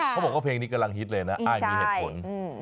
เขาบอกว่าเพลงนี้กำลังฮิตเลยนะอ้ายมีเหตุผล